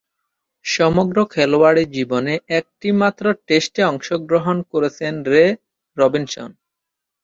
সমগ্র খেলোয়াড়ী জীবনে একটিমাত্র টেস্টে অংশগ্রহণ করেছেন রে রবিনসন।